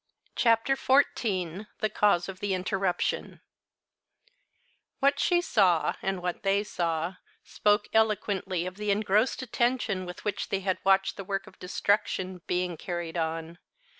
CHAPTER XIV THE CAUSE OF THE INTERRUPTION What she saw, and what they saw, spoke eloquently of the engrossed attention with which they had watched the work of destruction being carried on.